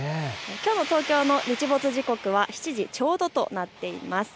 きょうの東京の日没時刻は７時ちょうどとなっています。